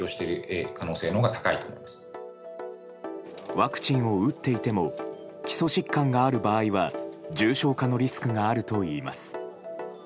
ワクチンを打っていても基礎疾患がある場合は重症化のリスクがあるといいます。